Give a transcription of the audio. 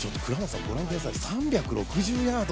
ご覧ください、３６０ヤード。